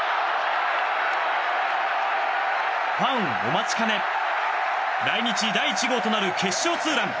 ファンお待ちかね来日第１号となる決勝ツーラン。